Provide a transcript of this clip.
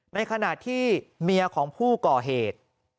ในขณะที่เมียของผู้ก่อเหตุ